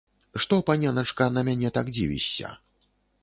Што, паненачка, на мяне так дзівішся?